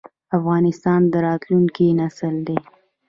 افغانستان د راتلونکي نسل دی